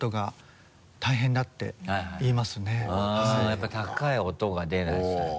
やっぱり高い音が出ない。